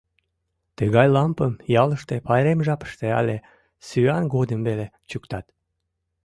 Тыгай лампым ялыште пайрем жапыште але сӱан годым веле чӱктат.